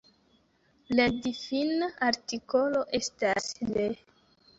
La difina artikolo estas Le.